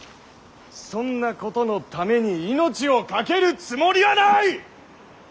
そんなことのために命を懸けるつもりはない！